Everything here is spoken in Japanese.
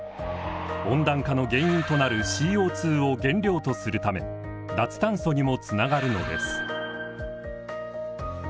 温暖化の原因となるＣＯを原料とするため脱炭素にもつながるのです。